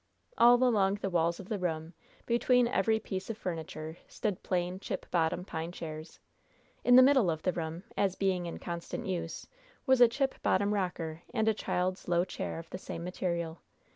All along the walls of the room, between every piece of furniture, stood plain, chip bottom pine chairs. In the middle of the room, as being in constant use, was a chip bottom rocker and a child's low chair of the same material.